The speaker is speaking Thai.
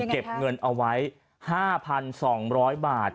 เก็บเงินเอาไว้๕๒๐๐บาท